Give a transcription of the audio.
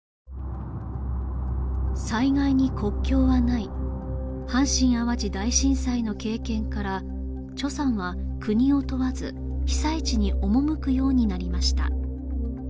災害に国境はない阪神・淡路大震災の経験からさんは国を問わず被災地に赴くようになりました